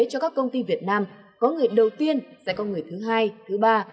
cho các công ty việt nam có người đầu tiên sẽ có người thứ hai thứ ba